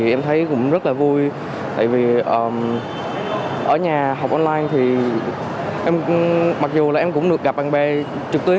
em thấy cũng rất là vui tại vì ở nhà học online thì em mặc dù là em cũng được gặp bạn bè trực tuyến